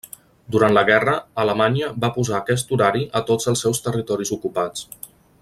Durant la guerra, Alemanya va posar aquest horari a tots els seus territoris ocupats.